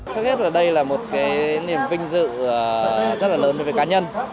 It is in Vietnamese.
trước hết là đây là một cái niềm vinh dự rất là lớn về cá nhân